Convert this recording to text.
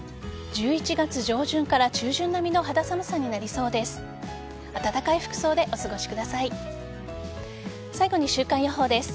１１月上旬から中旬並みの肌寒さになりそうです。